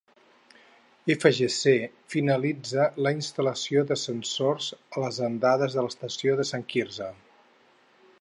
FGC finalitza la instal·lació d'ascensors a les andanes de l'estació de Sant Quirze.